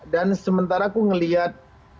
dan sementara aku ngeliat